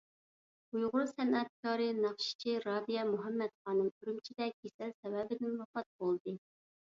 ئۇيغۇر سەنئەتكارى، ناخشىچى رابىيە مۇھەممەد خانىم ئۈرۈمچىدە كېسەل سەۋەبىدىن ۋاپات بولدى.